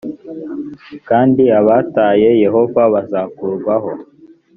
kandi abataye yehova bazakurwaho